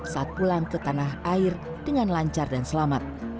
saat pulang ke tanah air dengan lancar dan selamat